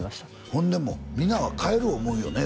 ほんでも皆は帰る思うよね